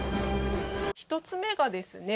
１つ目がですね